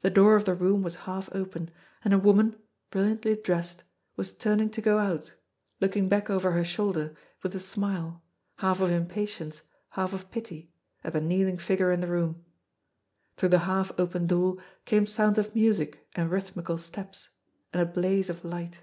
The door of the room was half open, and a woman, brilliantly dressed, was turning to go out, looking back over her shoulder with a smile, half of impatience, half of pity, at the kneeling figure in the room. Through the half open door came sounds of music and rhythmical steps, and a blaze of light.